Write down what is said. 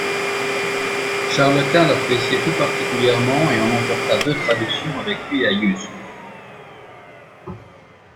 Charles-Quint l'appréciait tout particulièrement et en emporta deux traductions avec lui à Yuste.